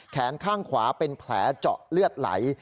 แขนข้างขวาเป็นแผลเจาะเลือดไหล